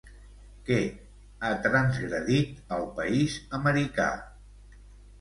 Què ha transgredit el país americà?